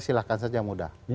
silahkan saja mudah